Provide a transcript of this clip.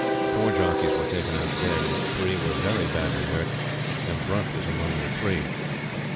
Four jockeys were taken out dead; three were very badly hurt, and Brunt was among the three.